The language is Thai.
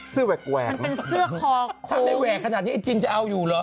ซื้อแหวกมันเป็นเสื้อคันดังนี้จินจะเอาอยู่หรอ